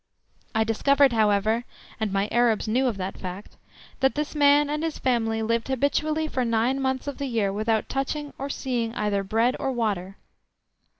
I discovered, however (and my Arabs knew of that fact), that this man and his family lived habitually for nine months of the year without touching or seeing either bread or water.